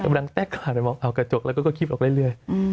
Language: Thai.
แล้วมันแต๊กขาดไปมองเอากระจกแล้วก็คีบออกได้เรื่อย